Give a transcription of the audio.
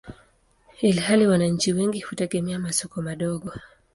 ilhali wananchi wengi hutegemea masoko madogo.